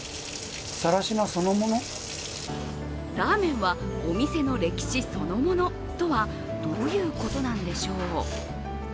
「ラーメンはお店の歴史そのもの」とはどういうことなんでしょう？